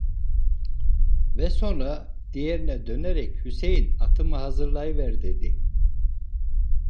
Ve sonra diğerine dönerek: - Hüseyin atımı hazırlayıver, dedi.